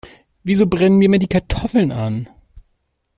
Wieso brennen mir immer die Kartoffeln an?